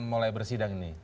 mulai bersidang ini